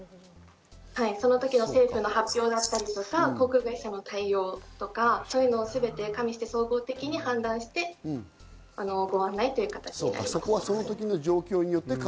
その時の政府の発表だったりとか航空会社の対応とか、それを加味して総合的に判断してご案内という形になります。